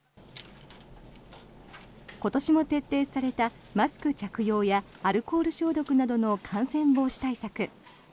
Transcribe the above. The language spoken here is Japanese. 今年も徹底されたマスク着用やアルコール消毒などの感染防止対策。